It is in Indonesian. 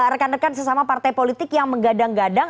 rekan rekan sesama partai politik yang menggadang gadang